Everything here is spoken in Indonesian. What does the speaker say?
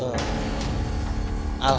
mas marmo masih balikin